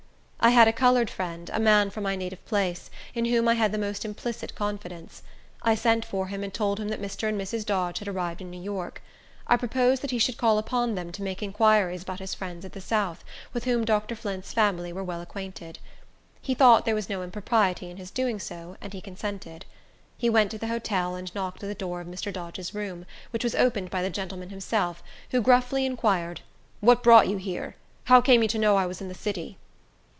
I had a colored friend, a man from my native place, in whom I had the most implicit confidence. I sent for him, and told him that Mr. and Mrs. Dodge had arrived in New York. I proposed that he should call upon them to make inquiries about his friends at the south, with whom Dr. Flint's family were well acquainted. He thought there was no impropriety in his doing so, and he consented. He went to the hotel, and knocked at the door of Mr. Dodge's room, which was opened by the gentleman himself, who gruffly inquired, "What brought you here? How came you to know I was in the city?"